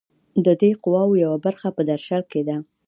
د دې قواوو یوه برخه په درشل کې وه.